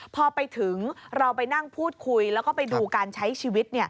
พอไปถึงเราไปนั่งพูดคุยแล้วก็ไปดูการใช้ชีวิต